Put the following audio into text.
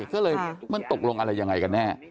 ก็เลยมันตกลงอะไรยังไงกันแน่